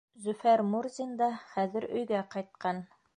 Зөфәр Мурзин да хәҙер өйгә ҡайтҡан.